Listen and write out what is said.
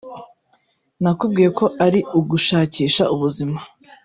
Nakubwiye ko ari ugashakisha ubuzima